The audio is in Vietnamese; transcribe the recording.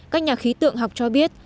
các nhà khí tượng học cho biết